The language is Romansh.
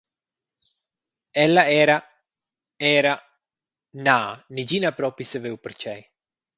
Ella era… era… na, negin ha propi saviu pertgei.